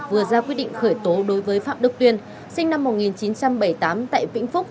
vừa ra quyết định khởi tố đối với phạm đức tuyên sinh năm một nghìn chín trăm bảy mươi tám tại vĩnh phúc